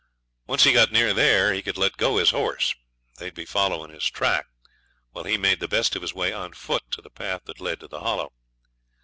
Once he got near there he could let go his horse. They'd be following his track, while he made the best of his way on foot to the path that led to the Hollow.